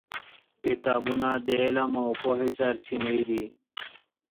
کتابونه د علم او پوهې سرچینې دي.